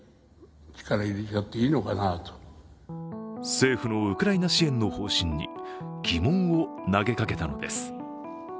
政府のウクライナ支援の方針に疑問を投げかけたのです。